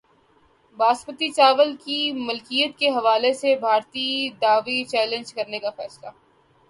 باسمتی چاول کی ملکیت کے حوالے سے بھارتی دعوی چیلنج کرنے کا فیصلہ